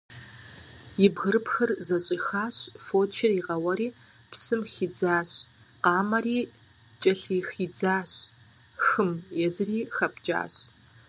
И бгырыпхыр зыщӀихащ, фочыр игъауэри, псым хидзащ, къамэри кӀэлъыхидзащ хым, езыри хэпкӀащ.